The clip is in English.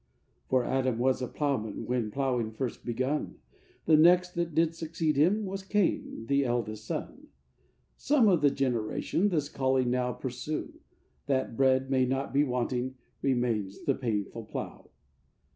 'For Adam was a ploughman when ploughing first begun, The next that did succeed him was Cain, the eldest son; Some of the generation this calling now pursue; That bread may not be wanting, remains the painful plough.